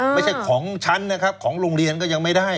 ไม่ใช่ของฉันนะครับของโรงเรียนก็ยังไม่ได้